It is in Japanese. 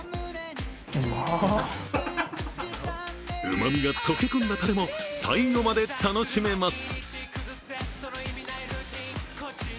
旨みが溶け込んだたれも最後まで楽しめます。